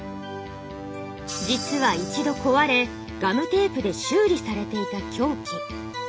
実は一度壊れガムテープで修理されていた凶器。